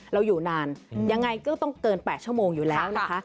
อยู่นานยังไงก็ต้องเกิน๘ชั่วโมงอยู่แล้วนะคะ